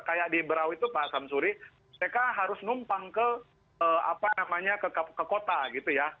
kayak di berau itu pak samsuri mereka harus numpang ke kota gitu ya